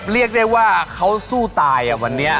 เรียกได้ว่าเขาสู้ตายวันนี้